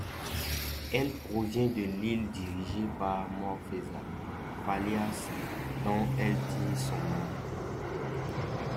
Elle provient de l'île dirigée par Morfessa, Falias, dont elle tire son nom.